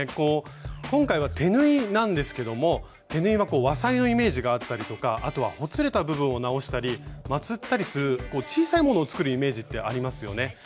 今回は手縫いなんですけども手縫いは和裁のイメージがあったりとかあとはほつれた部分を直したりまつったりする小さいものを作るイメージってありますよね。